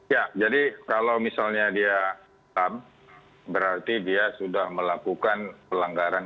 ya jadi kalau misalnya diam berarti dia sudah melakukan pelanggaran